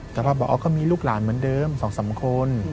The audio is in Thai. แต่พอบอกก็มีลูกหลานเหมือนเดิม๒๓คน